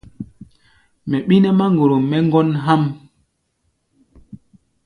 Mɛ ɓí nɛ́ máŋgorom mɛ́ ŋgɔ́n há̧ʼm.